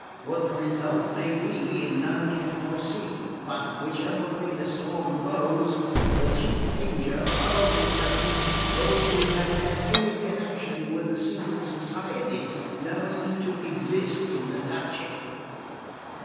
What the result may be, none can foresee; but whichever way the storm blows, the chief danger probably threatens those who have had any connection with the secret societies known to exist in the duchy."